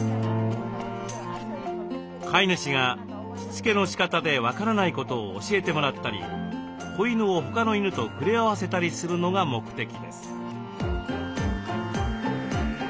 飼い主がしつけのしかたで分からないことを教えてもらったり子犬を他の犬と触れ合わせたりするのが目的です。